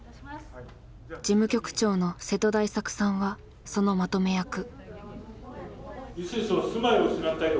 事務局長の瀬戸大作さんはそのまとめ役。